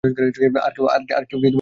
আর কেউ কি গেমটি খেলতেছে?